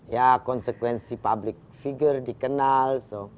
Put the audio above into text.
ya konsekuensi public figure dikenal